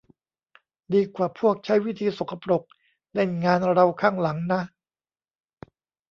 ดีกว่าพวกใช้วิธีสกปรกเล่นงานเราข้างหลังนะ